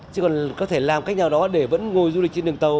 chứ còn có thể làm cách nào đó để vẫn ngồi du lịch trên đường tàu